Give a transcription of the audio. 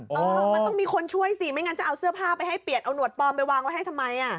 เออมันต้องมีคนช่วยสิไม่งั้นจะเอาเสื้อผ้าไปให้เปลี่ยนเอาหวดปลอมไปวางไว้ให้ทำไม